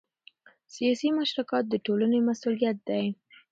سیاسي مشارکت د ټولنې مسؤلیت دی